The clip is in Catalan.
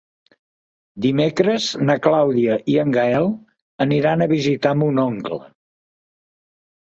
Dimecres na Clàudia i en Gaël aniran a visitar mon oncle.